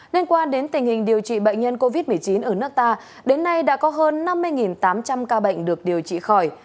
liên quan đến tình hình điều trị bệnh nhân covid một mươi chín ở nước ta đến nay đã có hơn năm mươi tám trăm linh ca bệnh được điều trị khỏi